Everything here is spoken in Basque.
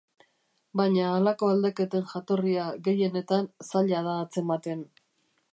Baina halako aldaketen jatorria, gehienetan, zaila da atzematen.